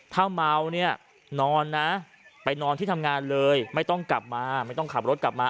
ถ้าเมาเนี่ยนอนนะไปนอนที่ทำงานเลยไม่ต้องกลับมาไม่ต้องขับรถกลับมา